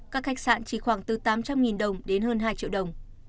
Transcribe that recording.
các khách sạn chỉ khoảng từ tám trăm linh đồng đến hơn hai triệu đồng